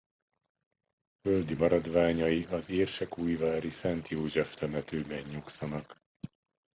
Földi maradványai az érsekújvári Szent József-temetőben nyugszanak.